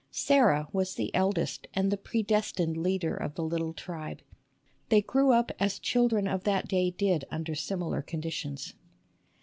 Sarah was the eldest and the predestined leader of the little tribe. They grew up as children of that day did under similar conditions.